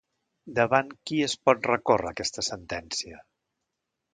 Davant qui es pot recórrer aquesta sentència?